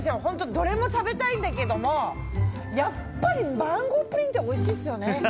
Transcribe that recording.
どれも食べたいんだけどやっぱりマンゴープリンっておいしいですよね。